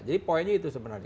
jadi poinnya itu sebenarnya